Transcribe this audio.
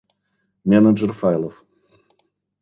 Менеджер файлов